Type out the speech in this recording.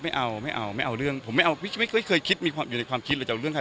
ไม่เอาไม่เอาไม่เอาเรื่องผมไม่เอาไม่เคยคิดมีความอยู่ในความคิดเลยจะเอาเรื่องใคร